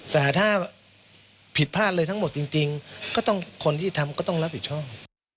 แต่ถ้าผิดพลาดเลยทั้งหมดจริงก็ต้องคนที่ทำก็ต้องรับผิดชอบ